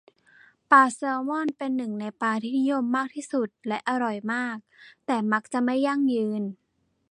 ปลาแซลมอนเป็นหนึ่งในปลาที่นิยมมากที่สุดและอร่อยมาก แต่มักจะไม่ยั่งยืน